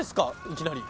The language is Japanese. いきなり。